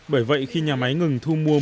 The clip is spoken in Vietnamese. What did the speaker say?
bởi vậy khi nhà máy ngừng thu mua